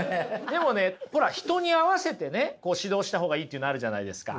でもねほら人に合わせてねこう指導した方がいいというのあるじゃないですか。